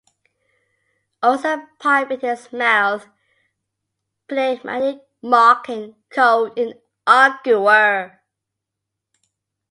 Always a pipe in his mouth, phlegmatic, mocking, cold, an arguer.